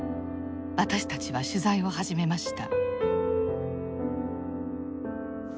私たちは取材を始めました。